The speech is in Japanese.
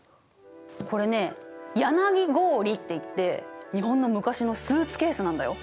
これね柳ごうりっていって日本の昔のスーツケースなんだよ。